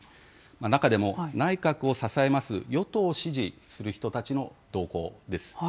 中でも内閣を支えます、与党を支持する人たちの動向です。